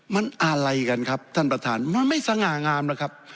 มันอะไรกันครับท่านประธานมันไม่สง่างามนะครับ